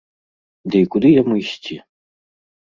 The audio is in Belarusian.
Ды і куды яму ісці?